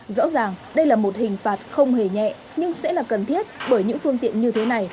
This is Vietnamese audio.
rõ ràng đây là một hình phạt không hề nhẹ nhưng sẽ là cần thiết bởi những phương tiện như thế này